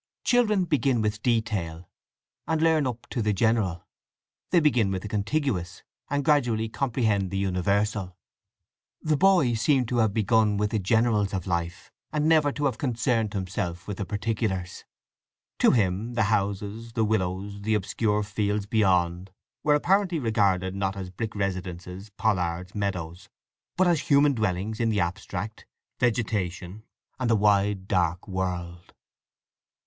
Children begin with detail, and learn up to the general; they begin with the contiguous, and gradually comprehend the universal. The boy seemed to have begun with the generals of life, and never to have concerned himself with the particulars. To him the houses, the willows, the obscure fields beyond, were apparently regarded not as brick residences, pollards, meadows; but as human dwellings in the abstract, vegetation, and the wide dark world.